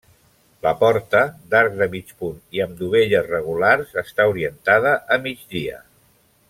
La porta, d'arc de mig punt i amb dovelles regulars, està orientada a migdia.